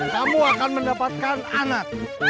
kamu akan mendapatkan anak